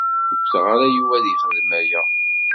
Ur cukkteɣ ara Yuba ad yexdem aya.